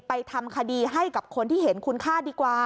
ทำคดีให้กับคนที่เห็นคุณค่าดีกว่า